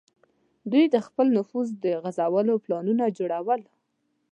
دوی د خپل نفوذ د غځولو پلانونه جوړول.